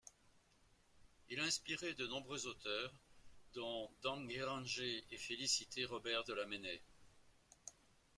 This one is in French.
Il a inspiré de nombreux auteurs, dont Dom Guéranger et Félicité Robert de Lamennais.